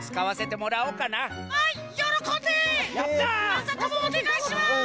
まさともおねがいします！